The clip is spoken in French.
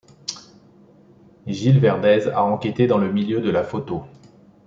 Gilles Verdez a enquêté dans le milieu de la photo.